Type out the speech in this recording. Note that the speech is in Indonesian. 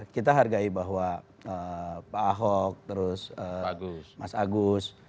kita hargai bahwa pak ahok terus mas agus